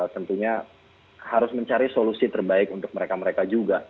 tentunya harus mencari solusi terbaik untuk mereka mereka juga